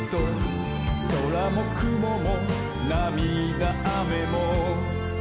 「そらもくももなみだあめも」